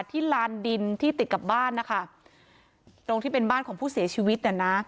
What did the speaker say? ลานดินที่ติดกับบ้านนะคะตรงที่เป็นบ้านของผู้เสียชีวิตน่ะนะ